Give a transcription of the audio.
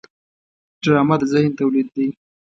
ډرامه د ذهن تولید دی